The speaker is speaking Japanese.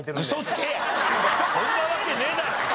そんなわけねえだろ！